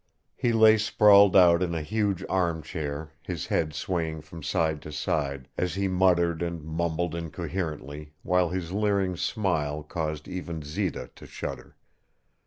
He lay sprawled out in a huge arm chair, his head swaying from side to side, as he muttered and mumbled incoherently, while his leering smile caused even Zita to shudder.